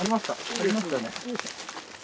ありましたね。